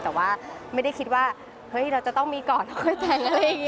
แต่ว่าไม่ได้คิดว่าเราจะต้องมีก่อนก่อนแต่งอะไรอย่างนี้